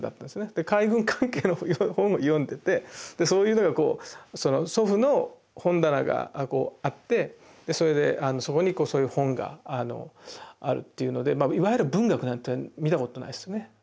で海軍関係の本を読んでてそういうのがこう祖父の本棚がこうあってそれでそこにそういう本があるっていうのでまあいわゆる文学なんて見たことないですよね。